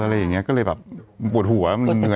อะไรอย่างนี้ก็เลยแบบมันปวดหัวมันเหนื่อย